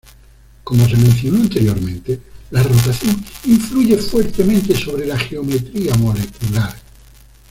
Como se mencionó anteriormente, la rotación influye fuertemente sobre la geometría molecular.